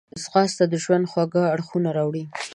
ځغاسته د ژوند خوږ اړخونه راوړي